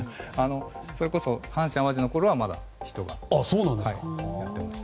それこそ阪神・淡路のころはまだ人がやっていました。